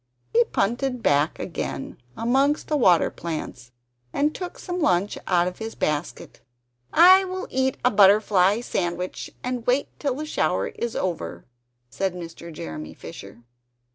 He punted back again amongst the water plants, and took some lunch out of his basket. "I will eat a butterfly sandwich, and wait till the shower is over," said Mr. Jeremy Fisher.